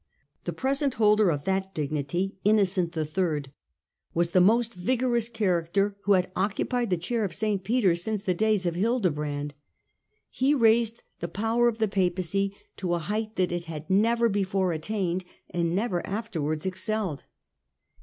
The present holder of that dignity, Innocent III, 26 STUPOR MUNDI was the most vigorous character who had occupied the Chair of St. Peter since the days of Hildebrand. He raised the power of the Papacy to a height that it had never before attained and never afterwards excelled.